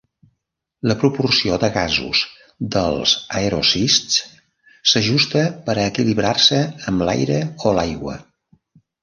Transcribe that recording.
La proporció de gasos dels aerocists s'ajusta per a equilibrar-se amb l'aire o l'aigua.